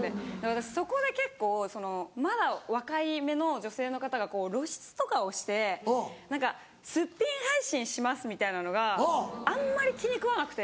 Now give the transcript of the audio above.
私そこで結構まだ若いめの女性の方が露出とかをしてすっぴん配信しますみたいなのがあんまり気に食わなくて。